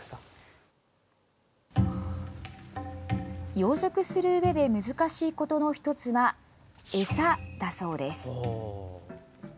養殖するうえで難しいことの１つは餌だそうです。